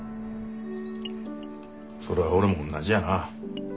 それは俺もおんなじやな。